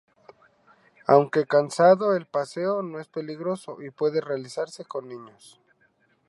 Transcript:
Aunque cansado, el paseo no es peligroso y puede realizarse con niños.